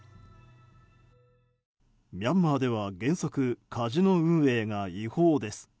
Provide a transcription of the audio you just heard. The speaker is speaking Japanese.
ミャンマーでは原則カジノ運営が違法です。